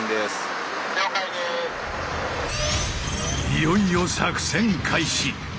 いよいよ作戦開始！